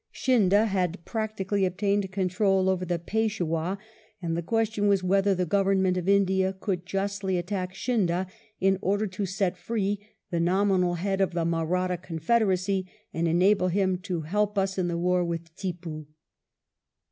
Scindia had practically obtained control over the Peishwah, and the question was whether the Government of India could justly attack Scindia in order to set free the nominal head of the Mahratta confederacy, and enable him to help us in the war with Tippoo.